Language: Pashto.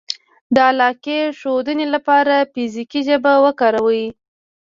-د علاقې ښودنې لپاره فزیکي ژبه وکاروئ